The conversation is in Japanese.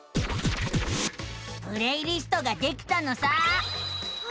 プレイリストができたのさあ。